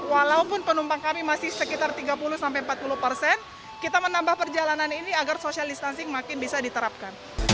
walaupun penumpang kami masih sekitar tiga puluh sampai empat puluh persen kita menambah perjalanan ini agar social distancing makin bisa diterapkan